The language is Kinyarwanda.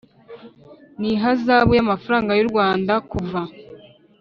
N ihazabu y amafaranga y u rwanda kuva